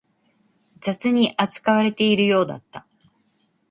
雑に扱われているようだった